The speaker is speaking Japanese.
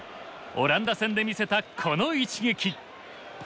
オランダ戦で見せたこの一撃。